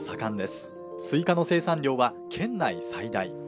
すいかの生産量は県内最大。